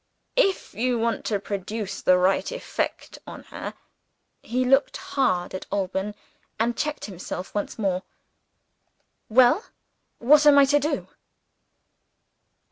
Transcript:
If you want to produce the right effect on her " he looked hard at Alban and checked himself once more. "Well? what am I to do?"